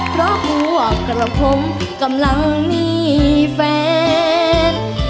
เพราะพวกกระผมกำลังมีแฟน